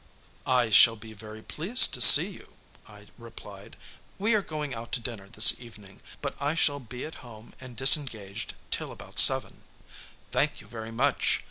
"I shall be very pleased to see you," I replied. "We are going out to dinner this evening, but I shall be at home and disengaged till about seven." "Thank you very much.